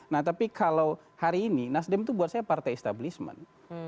nah tapi kalau hari ini nasdem itu buat saya partai establishment